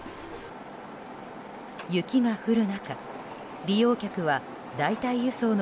雪が降る中、利用客は代替輸送の